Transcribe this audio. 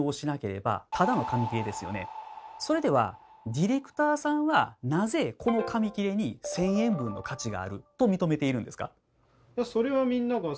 それではディレクターさんはなぜこの紙きれに１，０００円分の価値があると認めているんですか？